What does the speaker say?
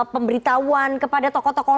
pemberitahuan kepada tokoh tokoh